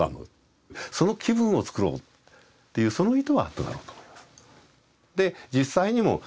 その気分を作ろうっていうその意図はあっただろうと思います。